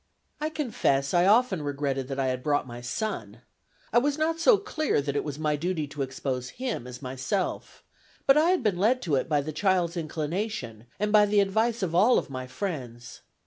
I confess I often regretted that I had brought my son. I was not so clear that it was my duty to expose him as myself, but I had been led to it by the child's inclination, and by the advice of all my friends.